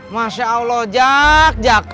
masya allah jak